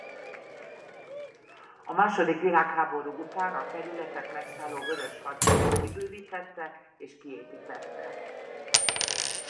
A második világháború után a területet megszálló Vörös Hadsereg kibővítette és kiépítette.